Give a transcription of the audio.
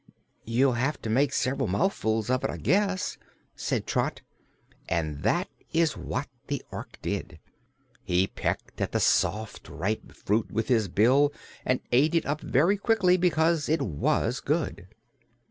"You'll have to make sev'ral mouthfuls of it, I guess," said Trot; and that is what the Ork did. He pecked at the soft, ripe fruit with his bill and ate it up very quickly, because it was good.